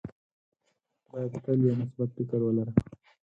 باید تل یو مثبت فکر ولره.